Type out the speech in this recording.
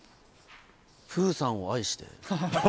プーさんを愛して。